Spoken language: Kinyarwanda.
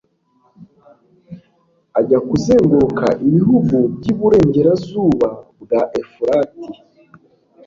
ajya kuzenguruka ibihugu by'iburengerazuba bwa efurati